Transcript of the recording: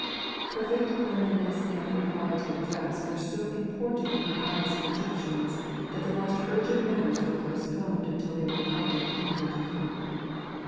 Perfect cleanliness and propriety of dress were so important in the eyes of Egyptians that the most urgent matters were postponed until they were properly attended to.